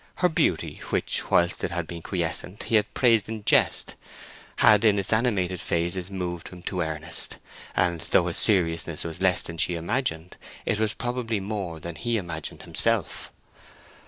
Her beauty, which, whilst it had been quiescent, he had praised in jest, had in its animated phases moved him to earnest; and though his seriousness was less than she imagined, it was probably more than he imagined himself.